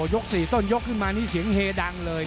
ยก๔ต้นยกขึ้นมานี่เสียงเฮดังเลย